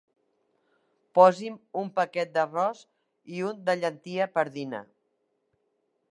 Posi'm un paquet d'arròs i un de llentia pardina.